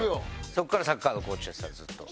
そこからサッカーのコーチやってたんでずっと。